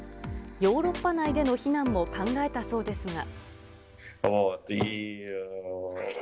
ヨーロッパ内での避難も考えたそうですが。